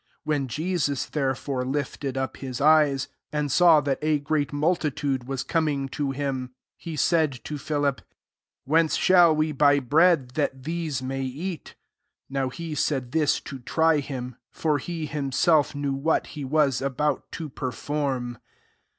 5 When Jesus, therefore) lifted up, ^> eyes, and saw that a great mul titude was coming to him, he said to Philip) <^ Whence shall we buy bread, that these may eat ?" 6 (Now he said this to try him : for he himself knew what he was about to perform.)